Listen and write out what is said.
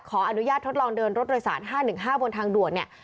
ขออนุญาตทดลองเดินรถรายศาสตร์๕๑๕บนทางด่วน